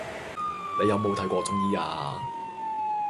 你有冇睇過中醫呀